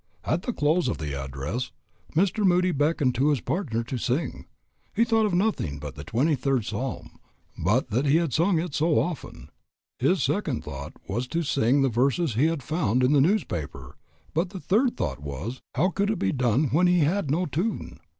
At the close of the address Mr. Moody beckoned to his partner to sing. He thought of nothing but the Twenty third Psalm, but that he had sung so often. His second thought was to sing the verses he had found in the newspaper, but the third thought was, how could it be done when he had no tune.